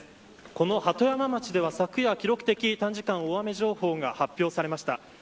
この鳩山町では昨夜、記録的短時間大雨情報が発表されました。